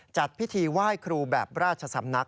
จัดพิธีไหว้ครูแบบราชสำนัก